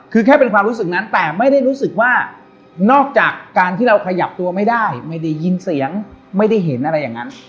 คือแค่เป็นความรู้สึกนั้นแต่ไม่ได้รู้สึกว่านอกจากการที่เราขยับตัวไม่ได้ไม่ได้ยินเสียงไม่ได้เห็นอะไรอย่างนั้น